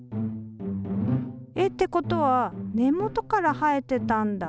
えってことは根元から生えてたんだ！